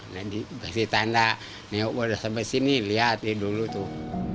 nanti kasih tanda nih aku udah sampai sini lihat dulu tuh